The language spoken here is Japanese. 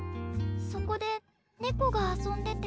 そこでネコが遊んでて。